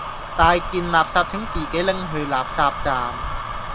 大件垃圾請自己拎去垃圾站